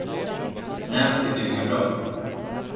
Nancy duger bra.